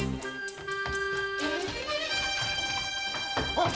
あっ！